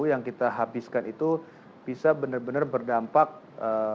yang kita habiskan itu bisa benar benar berdampak besar bagi penerima masyarakat